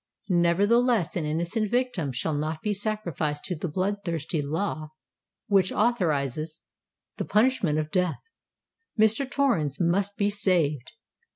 Nevertheless, an innocent victim shall not be sacrificed to the blood thirsty law which authorises the punishment of death: Mr. Torrens must be saved!